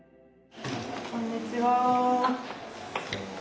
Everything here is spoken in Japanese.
こんにちは。